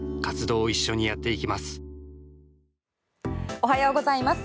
おはようございます。